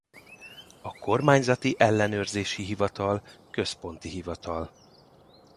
A Kormányzati Ellenőrzési Hivatal központi hivatal.